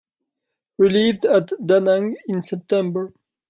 Relieved at Da Nang in September.